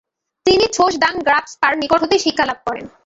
তিনি ছোস-দ্বাং-গ্রাগ্স-পার নিকট হতেই শিক্ষালাভ করেন।